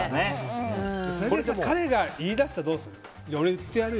彼が言い出したらどうする？